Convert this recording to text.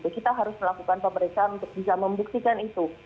kita harus melakukan pemeriksaan untuk bisa membuktikan itu